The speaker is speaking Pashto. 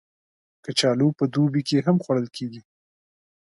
کچالو په دوبی کې هم خوړل کېږي